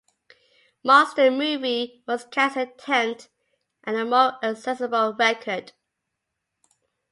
"Monster Movie" was Can's attempt at a more accessible record.